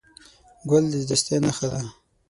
ګل د دوستۍ نښه ده.